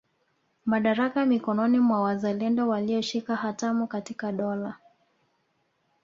Madaraka mikononi mwa wazalendo walioshika hatamu katika dola